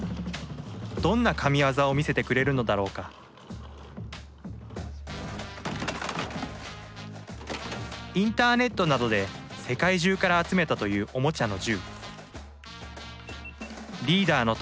どんなカミワザを見せてくれるのだろうかインターネットなどで世界中から集めたというおもちゃの銃リーダーの